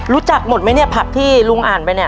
รู้จักหมดไหมเนี่ยผักที่ลุงอ่านไปเนี่ย